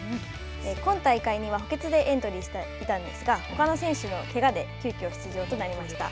今大会には補欠でエントリーしていたんですがほかの選手のけがで急きょ出場となりました。